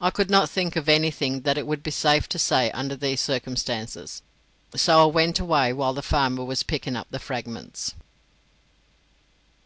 I could not think of anything that it would be safe to say under the circumstances, so I went away while the farmer was picking up the fragments.